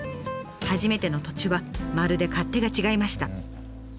初めての土地はまるで勝手が違いました。